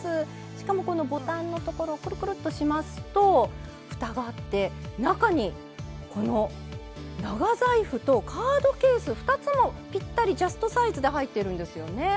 しかもこのボタンのところクルクルッとしますとふたがあって中にこの長財布とカードケース２つもぴったりジャストサイズで入ってるんですよね。